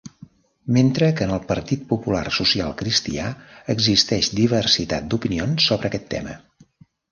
Mentre que en el Partit Popular Social Cristià existeix diversitat d'opinions sobre aquest tema.